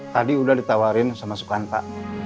tadi udah ditawarin sama sukanta